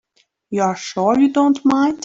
You're sure you don't mind?